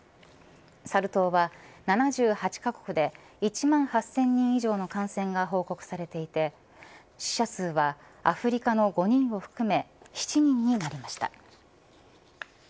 サル痘は、７８か国で１万８０００人以上の感染が報告されていて死者数はアフリカの５人を含め７人になりました。